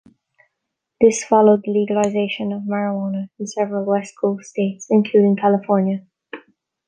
This followed the legalization of marijuana in several west coasts states including California.